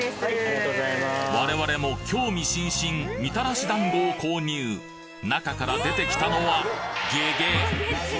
我々も興味津々みたらし団子を購入中から出てきたのはげげっ！